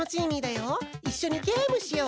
いっしょにゲームしよう！